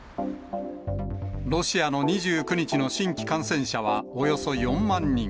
ロシアの２９日の新規感染者はおよそ４万人。